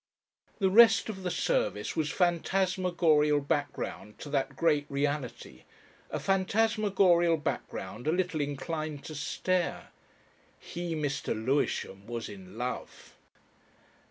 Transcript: The rest of the service was phantasmagorial background to that great reality a phantasmagorial background a little inclined to stare. He, Mr. Lewisham, was in Love.